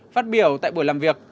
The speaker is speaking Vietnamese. phát biểu tại buổi làm việc